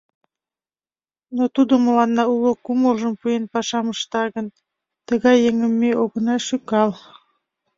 Но тудо мыланна уло кумылжым пуэн пашам ышта гын, тыгай еҥым ме огына шӱкал.